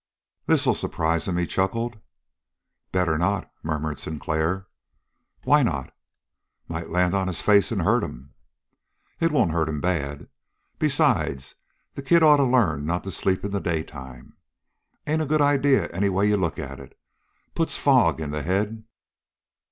"This'll surprise him," he chuckled. "Better not," murmured Sinclair. "Why not?" "Might land on his face and hurt him." "It won't hurt him bad. Besides, kids ought to learn not to sleep in the daytime. Ain't a good idea any way you look at it. Puts fog in the head."